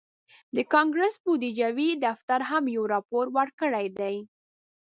د کانګرس بودیجوي دفتر هم یو راپور ورکړی دی